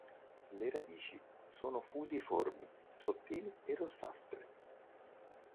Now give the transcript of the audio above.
Le radici sono fusiformi, sottili e rossastre.